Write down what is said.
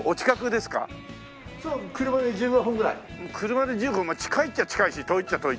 車で１５分近いっちゃ近いし遠いちゃ遠い。